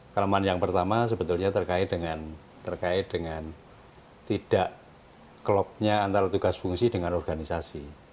kelemahan yang pertama sebetulnya terkait dengan tidak klopnya antara tugas fungsi dengan organisasi